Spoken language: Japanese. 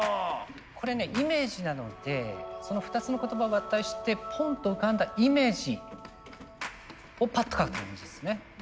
これねイメージなのでその２つの言葉を合体してポンと浮かんだイメージをパッと書く感じですね。